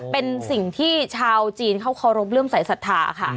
เป็นสิ่งที่ชาวจีนเขาเคารพเรื่องสายศรัทธาค่ะ